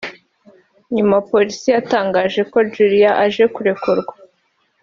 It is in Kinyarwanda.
nyuma polisi yatangaje ko Juliay aje kurekurwa